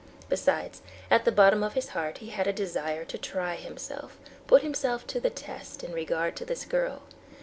Besides, at the bottom of his heart he had a desire to try himself, put himself to the test in regard to this girl.